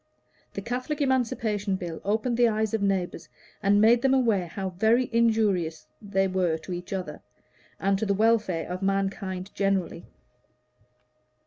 The Catholic Emancipation Bill opened the eyes of neighbors and made them aware how very injurious they were to each other and to the welfare of mankind generally.